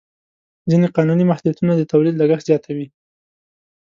ځینې قانوني محدودیتونه د تولید لګښت زیاتوي.